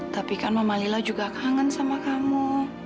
tapi kan mama lila juga kangen sama kamu